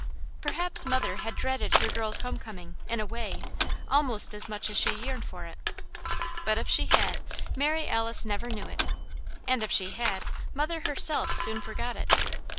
Perhaps Mother had dreaded her girl's home coming, in a way, almost as much as she yearned for it. But if she had, Mary Alice never knew it; and if she had, Mother herself soon forgot it.